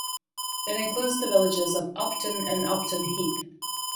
It includes the villages of Upton and Upton Heath.